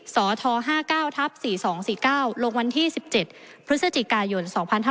สท๕๙ทับ๔๒๔๙ลงวันที่๑๗พฤศจิกายน๒๕๕๙